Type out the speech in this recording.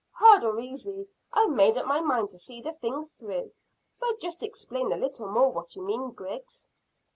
"Hard or easy, I've made up my mind to see the thing through; but just explain a little more what you mean, Griggs."